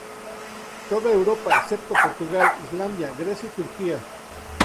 Toda Europa excepto Portugal, Islandia, Grecia y Turquía.